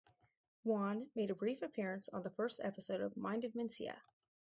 Juan made a brief appearance on the first episode of "Mind of Mencia".